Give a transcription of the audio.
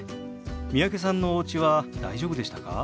三宅さんのおうちは大丈夫でしたか？